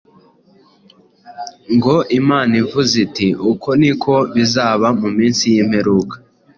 ngo ‘Imana ivuze iti: Uku ni ko bizaba mu minsi y’imperuka,